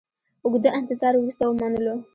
اوږده انتظار وروسته ومنلو.